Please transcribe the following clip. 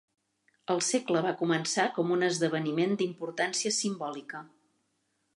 El segle va començar com un esdeveniment d'importància simbòlica.